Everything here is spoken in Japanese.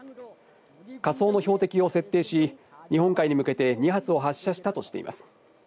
仮想の標的を設定し、日本海に向けて２発を発射したとしています。